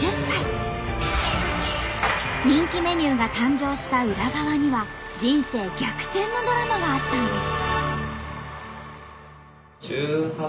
人気メニューが誕生した裏側には人生逆転のドラマがあったんです。